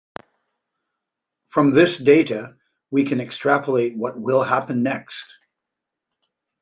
From this data, we can extrapolate what will happen next.